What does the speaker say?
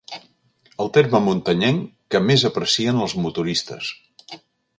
El terme muntanyenc que més aprecien els motoristes.